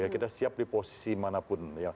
kita siap di posisi manapun